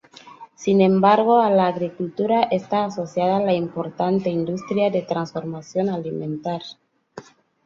Sin embargo a la agricultura está asociada la importante industria de transformación alimentar.